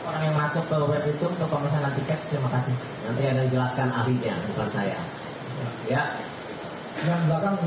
lalu yang kedua biayanya untuk fifa match day versus argentina disebut sebut mencapai lima juta usd